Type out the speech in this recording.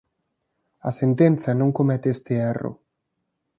A sentenza non comete este erro.